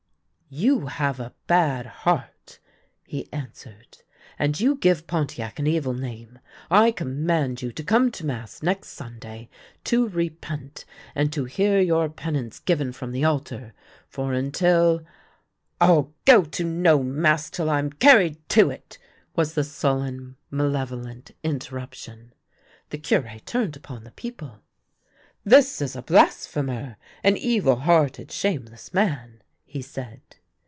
" You have a bad heart," he answered, " and you give Pontiac an evil name. I command you to come to mass next Sunday, to repent and to hear your pen ance given from the altar. For until "" I'll go to no mass till I'm carried to it," was the sullen, malevolent interruption. The Cure turned upon the people. " This is a blasphemer, an evil hearted, shameless man," he said.